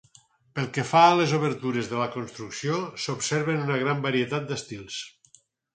Pel que fa a les obertures de la construcció, s’observen una gran varietat d’estils.